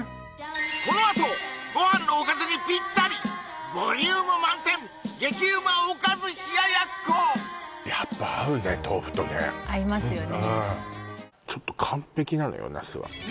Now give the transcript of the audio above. このあとご飯のおかずにピッタリボリューム満点激うまおかず冷奴やっぱ合うね豆腐とね合いますよね